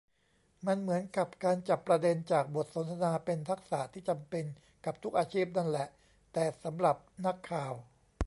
มันเหมือนกับ การจับประเด็นจากบทสนทนาเป็นทักษะที่จำเป็นกับทุกอาชีพนั่นแหละ แต่สำหรับนักข่าว